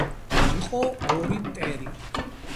იყო ორი მტერი